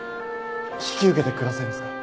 引き受けてくださいますか？